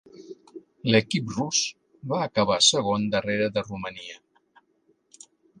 L'equip rus va acabar segon darrere de Romania.